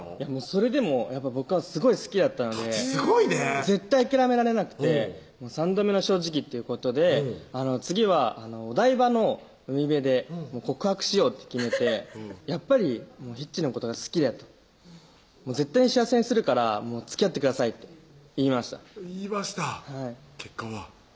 それでも僕はすごい好きだったのでとっちすごいね絶対諦められなくて三度目の正直ということで次はお台場の海辺で告白しようって決めて「やっぱりひっちのことが好きだ」と「絶対に幸せにするからつきあってください」と言いました言いました結果は？